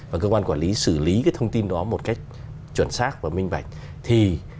và cơ quan quản lý xử lý cái thông tin đó một cách chuẩn xác và minh bạch